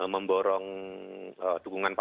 memborong dukungan partai